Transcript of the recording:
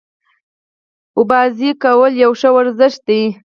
لامبو وهل یو ښه ورزش دی.